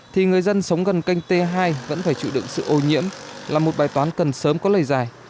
thì người dân sống gần canh t hai vẫn phải chịu đựng sự ô nhiễm là một bài toán cần sớm có lời giải